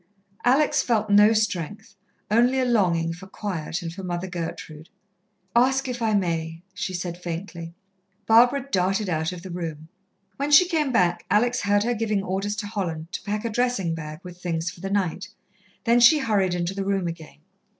Alex felt no strength, only a longing for quiet and for Mother Gertrude. "Ask if I may," she said faintly. Barbara darted out of the room. When she came back, Alex heard her giving orders to Holland to pack a dressing bag with things for the night. Then she hurried into the room again.